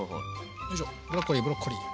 よいしょブロッコリーブロッコリー。